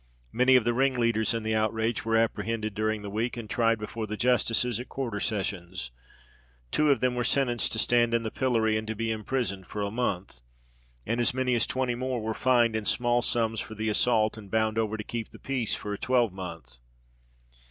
Many of the ringleaders in the outrage were apprehended during the week, and tried before the justices at quarter sessions. Two of them were sentenced to stand in the pillory and to be imprisoned for a month; and as many as twenty more were fined in small sums for the assault, and bound over to keep the peace for a twelvemonth.